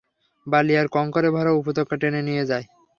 বালি আর কংকরে ভরা উপত্যকায় টেনে নিয়ে যায়।